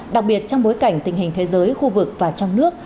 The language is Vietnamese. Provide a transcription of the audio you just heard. đặc biệt trong bối cảnh tình hình thế giới khu vực và trong nước